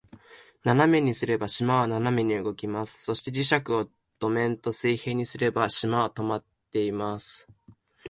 斜めにすれば、島は斜めに動きます。そして、磁石を土面と水平にすれば、島は停まっています。